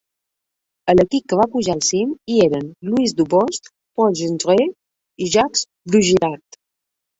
A l'equip que va pujar al cim, hi eren Louis Dubost, Paul Gendre i Jaques Brugirard.